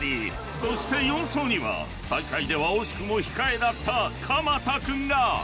［そして４走には大会では惜しくも控えだった鎌田君が］